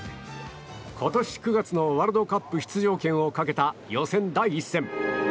今年９月のワールドカップ出場権をかけた予選第１戦。